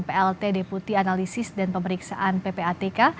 plt deputi analisis dan pemeriksaan ppatk